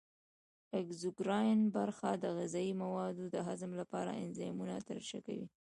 اګزوکراین برخه د غذایي موادو د هضم لپاره انزایمونه ترشح کوي.